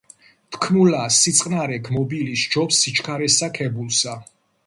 თქმულა: სიწყნარე გმობილი სჯობს სიჩქარესა ქებულსა